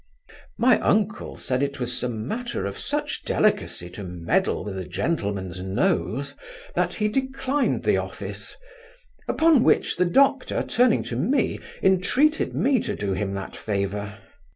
My uncle said it was a matter of such delicacy to meddle with a gentleman's nose, that he declined the office upon which, the Doctor turning to me, intreated me to do him that favour.